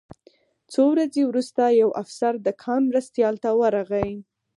څو ورځې وروسته یو افسر د کان مرستیال ته ورغی